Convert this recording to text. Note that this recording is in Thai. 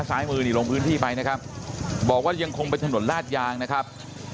ซ้ายมือนี่ลงพื้นที่ไปนะครับบอกว่ายังคงเป็นถนนลาดยางนะครับ